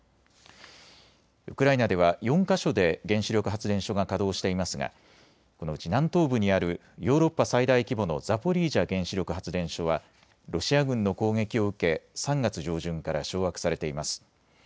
ウクライナでは４か所で原子力発電所が稼動していますがこのうち南東部にあるヨーロッパ最大規模のザポリージャ原子力発電所はロシア軍の攻撃を受け３月上旬から掌握されています。